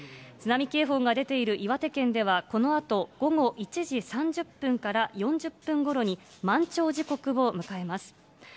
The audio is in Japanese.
津波警報が出ている岩手県では、このあと午後１時３０分から４０分ごろに、満潮時刻を迎えます。